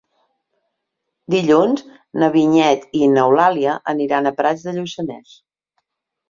Dilluns na Vinyet i n'Eulàlia aniran a Prats de Lluçanès.